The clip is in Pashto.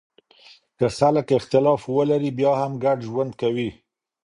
که خلګ اختلاف ولري بیا هم ګډ ژوند کوي.